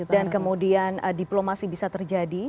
dan kemudian diplomasi bisa terjadi